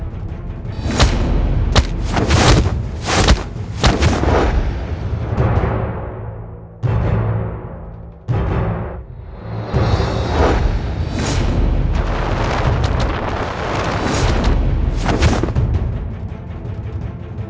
tapi pada awal aku nyara telah meniru